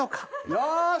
よし。